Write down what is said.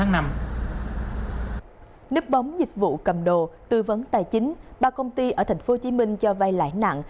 nếp bóng dịch vụ cầm đồ tư vấn tài chính ba công ty ở tp hcm cho vay lãi nặng